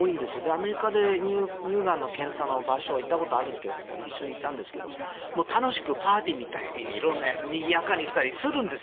アメリカで乳がんの検査の場所に行ったことがあるんですが一緒に行ったんですが楽しくパーティーみたいに色んな、にぎやかにしたり楽しくするんです。